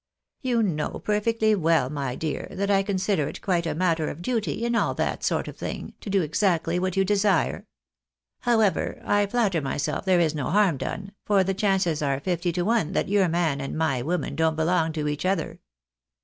You know perfectly well, my dear, that I consider it quite a matter of duty in all that sort of thing, to do exactly what you desire. However, I flatter myself there is no harm done, for the chances are fifty to one that your man and my women don't belong to each other."